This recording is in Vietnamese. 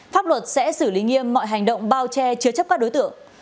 pháp luật sẽ xử lý nghiêm mọi hành động bao che chứa chấp các đối tượng